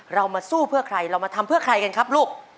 เรามาสู้เพื่อใครเรามาทำเพื่อใครกันครับลูก